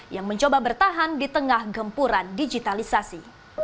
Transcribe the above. yang mencoba bertahan di tengah gempuran digitalisasi